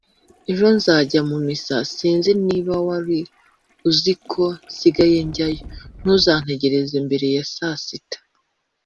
- ejo nzajya mu misa - sinzi niba wari uzi ko nsigaye njyayo - ntuzantegereze mbere ya saa sita.